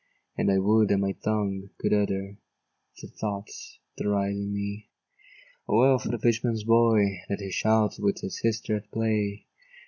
And I would that my tongue could utter The thoughts that arise in me. O, well for the fisherman's boy, That he shouts with his sister at play!